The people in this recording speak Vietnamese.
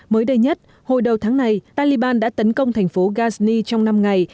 mới đây nhất hồi đầu tháng này taliban đã tấn công thành phố ghazni trong năm ngày